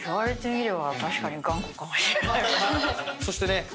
そしてね。